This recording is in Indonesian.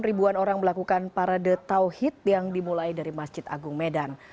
ribuan orang melakukan parade tauhid yang dimulai dari masjid agung medan